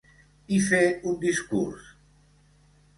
I fer un discurs?